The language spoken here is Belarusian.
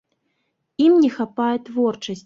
Ім не хапае творчасці.